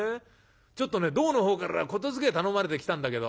ちょっとね胴のほうから言づけ頼まれて来たんだけど」。